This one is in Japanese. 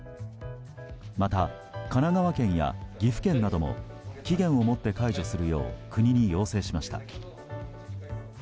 また、神奈川県や岐阜県なども期限をもって解除するよう国に要請しました。